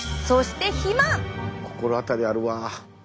心当たりあるわ。